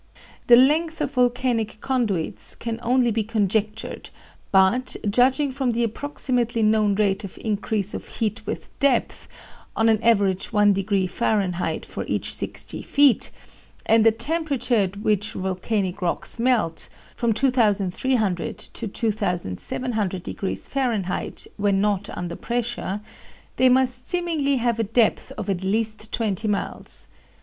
"The length of volcanic conduits can only be conjectured, but, judging from the approximately known rate of increase of heat with depth (on an average one degree Fahrenheit for each sixty feet), and the temperature at which volcanic rocks melt (from 2,300 to 2,700 degrees Fahrenheit, when not under pressure), they must seemingly have a depth of at least twenty miles.